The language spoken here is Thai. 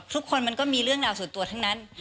ทุกคนมันก็มีเรื่องราวส่วนตัวทั้งนั้น